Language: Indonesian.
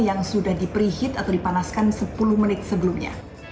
yang sudah di prehet atau dipanaskan sepuluh menit sebelumnya